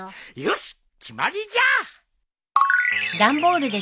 よし決まりじゃ！